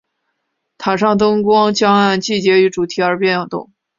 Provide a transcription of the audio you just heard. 塔上灯光将按季节与主题而变动。